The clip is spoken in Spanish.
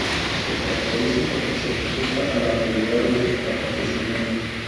Se caracteriza porque se ajusta a la realidad de los acontecimientos.